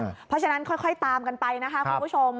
เพราะฉะนั้นค่อยตามกันไปนะคะคุณผู้ชม